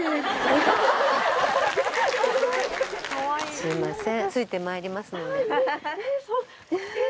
すいません。